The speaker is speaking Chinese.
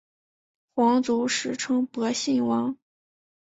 皇族时称博信王。